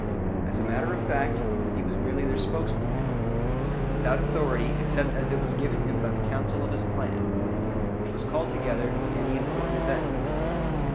As a matter of fact, he was merely their spokesman, without authority except as it was given him by the council of his clan, which was called together in any important event.